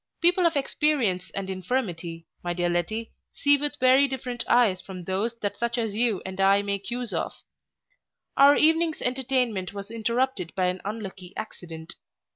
People of experience and infirmity, my dear Letty, see with very different eyes from those that such as you and I make use of Our evening's entertainment was interrupted by an unlucky accident.